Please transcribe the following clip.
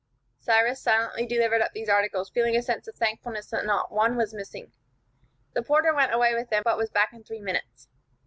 Cyrus silently delivered up these articles, feeling a sense of thankfulness that not one was missing. The porter went away with them, but was back in three minutes.